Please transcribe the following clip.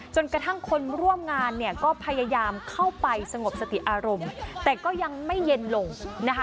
จนกระทั่งคนร่วมงานเนี่ยก็พยายามเข้าไปสงบสติอารมณ์แต่ก็ยังไม่เย็นลงนะคะ